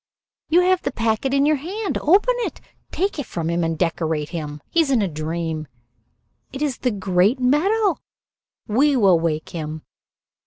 "You have the packet in your hand. Open it. Take it from him and decorate him. He is in a dream. It is the great medal. We will wake him."